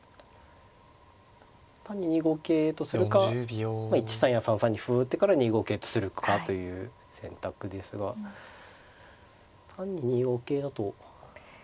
単に２五桂とするか１三や３三に歩を打ってから２五桂とするかという選択ですが単に２五桂だとどうするんですかね。